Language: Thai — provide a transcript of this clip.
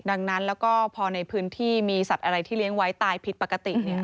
ดังนั้นแล้วก็พอในพื้นที่มีสัตว์อะไรที่เลี้ยงไว้ตายผิดปกติ